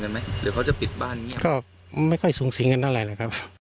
เดี๋ยวเขาจะปิดบ้านเงียบก็ไม่ค่อยสูงสิงกันเท่าไหร่นะครับ